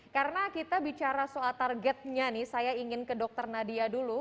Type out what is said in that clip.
karena kita bicara soal targetnya nih saya ingin ke dr nadia dulu